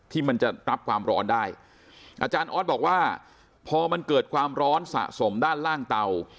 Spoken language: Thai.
ที่มันจะรับความร้อนได้อาจารย์ออสบอกว่าพอมันเกิดความร้อนสะสมด้านล่างเตา